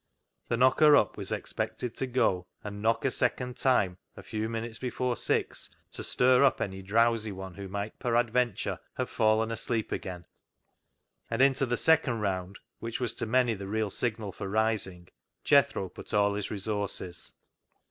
The knocker up was expected to go THE KNOCKER UP 145 and knock a second time a few minutes before six to stir up any drowsy one who might, per adventure, have fallen asleep again, and into this second round, which was to many the real signal for rising, Jethro put all his resources.